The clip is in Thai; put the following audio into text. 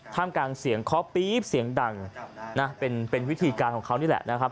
กลางเสียงเคาะปี๊บเสียงดังนะเป็นวิธีการของเขานี่แหละนะครับ